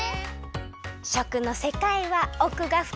しょくのせかいはおくがふかい。